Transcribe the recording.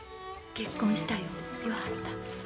結婚した言わはった？